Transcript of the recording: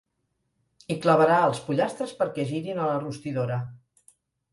Hi clavarà els pollastres perquè girin a la rostidora.